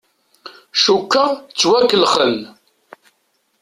Cukkeɣ ttwakellexen.